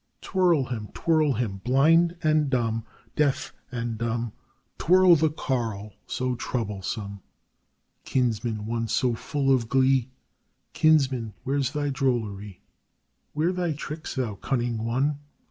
Twirl him! twirl him! blind and dumb, Deaf and dumb, Twirl the carle so troublesome! Kinsman, once so full of glee, Kinsman, where's thy drollery, Where thy tricks, thou cunning one?